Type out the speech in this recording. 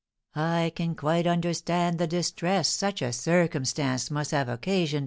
I can quite understand the distress such a circumstance must have occasioned M.